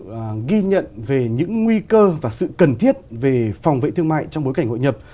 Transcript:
và vừa theo dõi một phóng sự ghi nhận về những nguy cơ và sự cần thiết về phòng vệ thương mại trong bối cảnh hội nhập